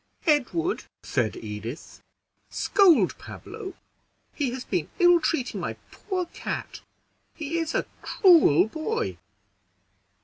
"Edward," said Edith, "scold Pablo; he has been ill treating my poor cat; he is a cruel boy."